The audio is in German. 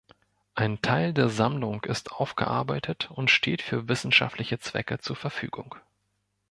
Ein Teil der Sammlung ist aufgearbeitet und steht für wissenschaftliche Zwecke zur Verfügung.